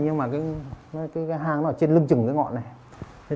nhưng mà cái hang nó ở trên lưng chừng cái ngọn này